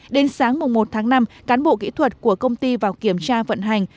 đến sáng một tháng năm cán bộ kỹ thuật của công ty vào kiểm tra vận hành